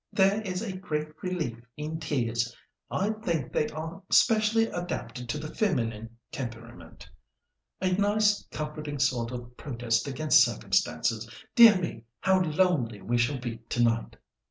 There is a great relief in tears. I think they are specially adapted to the feminine temperament, a nice, comforting sort of protest against circumstances. Dear me! how lonely we shall be to night."